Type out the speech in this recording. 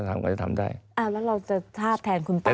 อ้าวแล้วเราจะถ้าแทนคุณป้า